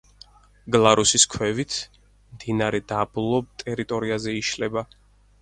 გლარუსის ქვევით მდინარე დაბლობ ტერიტორიაზე იშლება.